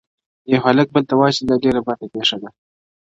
يو هلک بل ته وايي چي دا ډېره بده پېښه ده,